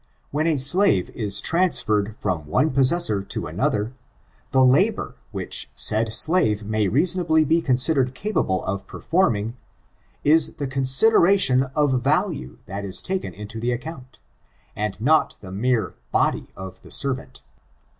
When a slave is trans ferred from one possessor to another, the labor which said slave may reasonably be considered capable of performing, is the consideration of value that is taken into the account, and not the mere body of the serv ant.